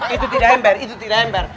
itu tidak ember itu tidak ember